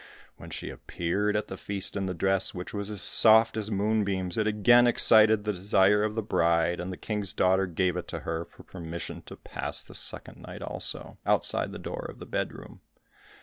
When she appeared at the feast in the dress which was as soft as moonbeams, it again excited the desire of the bride, and the King's daughter gave it to her for permission to pass the second night also, outside the door of the bedroom.